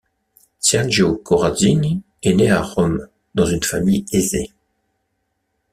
Sergio Corazzini est né à Rome dans une famille aisée.